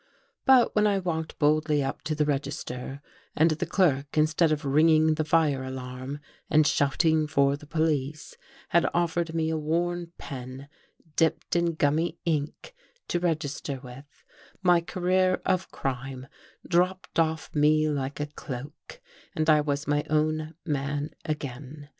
But when I walked boldly up to the register, and the clerk instead of ringing the fire alarm and shout ing for the police, had offered me a worn pen dipped in gummy Ink to register with, my career of crime dropped off me like a cloak and I was my own man again.